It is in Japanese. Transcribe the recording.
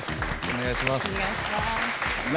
お願いします。